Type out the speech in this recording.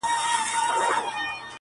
ما دي ویلي کله قبر نایاب راکه.